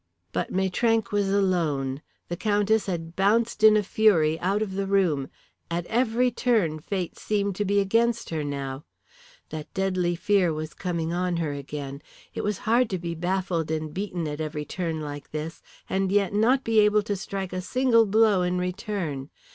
But Maitrank was alone. The Countess had bounced in a fury out of the room. At every turn fate seemed to be against her now. That deadly fear was coming on her again. It was hard to be baffled and beaten at every turn like this, and yet not be able to strike a single blow in return.